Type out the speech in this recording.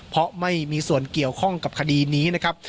เพราะไม่มีส่วนเกี่ยวข้องกับคดีนี้นะครับ